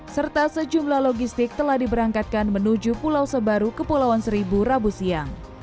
serta sejumlah logistik telah diberangkatkan menuju pulau sebaru kepulauan seribu rabu siang